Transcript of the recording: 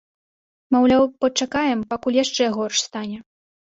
Маўляў, пачакаем, пакуль яшчэ горш стане.